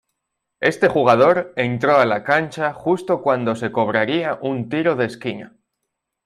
Este jugador entró a la cancha justo cuando se cobraría un tiro de esquina.